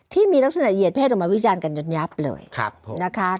ที่มีลักษณะเหยียดเพศออกมาวิจารณ์กันจนยับเลยนะคะ